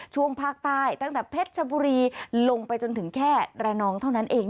ช่วงภาคใต้ตั้งแต่เพชรชบุรีลงไปจนถึงแค่ระนองเท่านั้นเอง